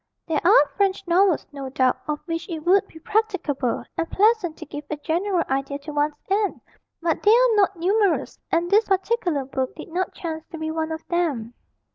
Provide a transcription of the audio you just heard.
There are French novels, no doubt, of which it would be practicable and pleasant to give a general idea to one's aunt, but they are not numerous, and this particular book did not chance to be one of them.